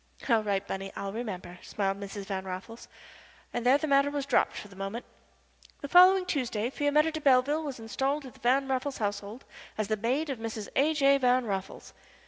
"All right, Bunny, I'll remember," smiled Mrs. Van Raffles, and there the matter was dropped for the moment. The following Tuesday Fiametta de Belleville was installed in the Van Raffles household as the maid of Mrs. A. J. Van Raffles.